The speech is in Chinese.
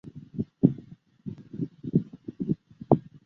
宋初蓟州渔阳人。